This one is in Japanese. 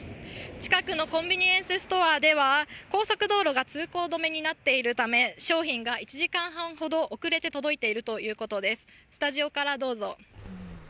近くのコンビニエンスストアでは高速道路が通行止めになっているため商品が１時間半ほど遅れて届いているということです。